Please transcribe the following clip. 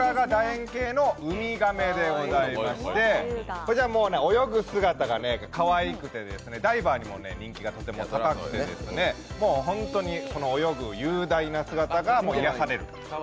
円形の海亀でございまして泳ぐ姿がかわいくて、ダイバーにも人気がとても高くて本当に泳ぐ雄大な姿が癒される。